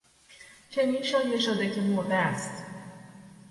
چنین شایع شده که مرده است.